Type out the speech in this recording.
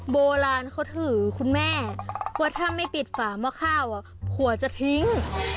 โบราณเขาถือคุณแม่ว่าถ้าไม่ปิดฝาหม้อข้าวผัวจะทิ้ง